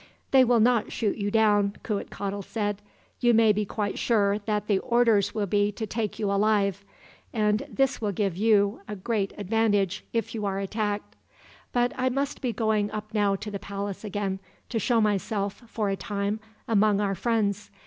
"They will not shoot you down," Cuitcatl said. "You may be quite sure that the orders will be to take you alive, and this will give you a great advantage, if you are attacked. But I must be going up now to the palace again, to show myself, for a time, among our friends.